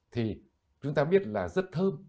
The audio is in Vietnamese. thì chúng ta biết là rất thơm